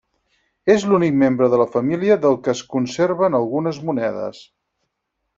És l'únic membre de la família del que es conserven algunes monedes.